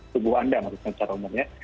tubuh anda maksud saya secara umumnya